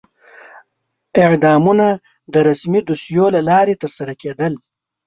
اعدامونه د رسمي دوسیو له لارې ترسره کېدل.